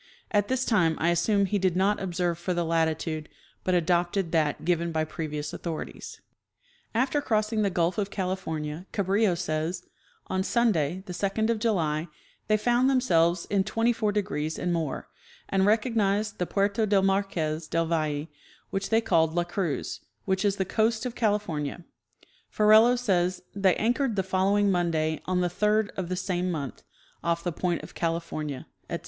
At this time I assume he did not observe, for the latitude, but adopted that given by previous authorities. 240 G. Davidson — Northwestern Coast of America. After crossing the gulf of California Cabrillo says :" On Sun day, the second of July, they found themselves in twenty four degrees and more, and recognized the Puerto del Marquez del Valle, which they called la Cruz, which is the coast of Califor nia." Ferrelo says :" They anchored the following Monday, on the third of tiie same month, off the point of California," etc.